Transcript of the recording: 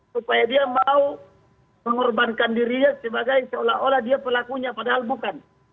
supaya dia mau mengorbankan dirinya sebagai seolah olah dia pelakunya padahal bukan